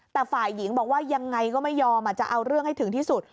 แต่ฝ่ายหญิงบอกว่ายังไงก็ไม่ยอมจะเอาเรื่องให้ถึงที่สุด